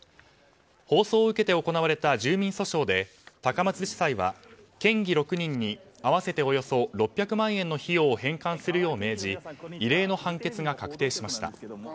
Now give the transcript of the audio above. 放送を受けて行われた住民訴訟で高松地裁は県議６人に合わせておよそ６００万円の費用を返還するよう命じ異例の判決が確定しました。